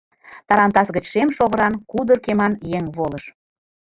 Тарантас гыч шем шовыран, кудыр кеман еҥ волыш.